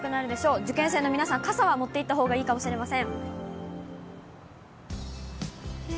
受験生の皆さん、傘は持っていったほうがいいかもしれません。